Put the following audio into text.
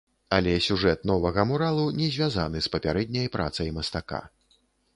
Але сюжэт новага муралу не звязаны з папярэдняй працай мастака.